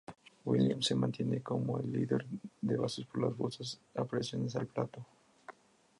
Williams se mantiene como el líder en bases por bolas por apariciones al plato.